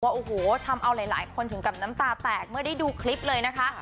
โอ้โหทำเอาหลายคนถึงกับน้ำตาแตกเมื่อได้ดูคลิปเลยนะคะ